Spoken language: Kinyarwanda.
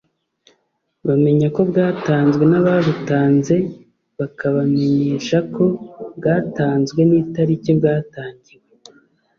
bamenya ko bwatanzwe n’ababutanze bakabamenyesha ko bwatanzwe n’ itariki bwatangiwe